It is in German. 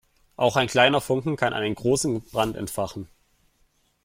Auch ein kleiner Funken kann einen großen Brand entfachen.